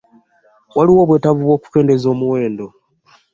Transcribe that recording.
Waliwo obwetaavu bw'okukendeeza omuwendo?